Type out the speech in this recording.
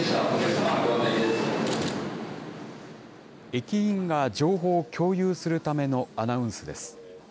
駅員が情報を共有するためのアナウンスです。